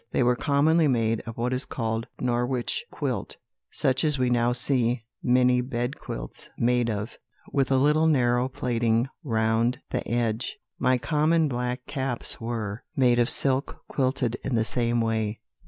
They were commonly made of what is called Norwich quilt, such as we now see many bed quilts made of, with a little narrow plaiting round the edge. My common black caps were made of silk quilted in the same way.